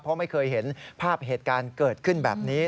เพราะไม่เคยเห็นภาพเหตุการณ์เกิดขึ้นแบบนี้